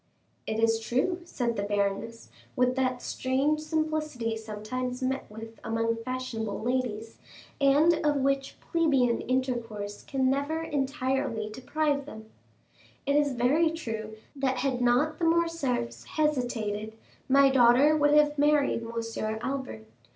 "It is true," said the baroness, with that strange simplicity sometimes met with among fashionable ladies, and of which plebeian intercourse can never entirely deprive them,—"it is very true that had not the Morcerfs hesitated, my daughter would have married Monsieur Albert.